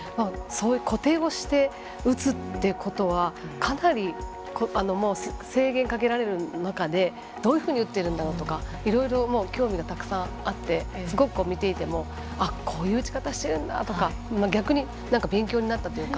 固定をして打つってことはかなり、制限をかけられる中でどういうふうに打っているんだろうとかいろいろ興味がたくさんあってすごく見ていてもこういう打ち方してるんだとか逆に、勉強になったというか。